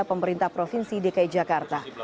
pemerintah provinsi dki jakarta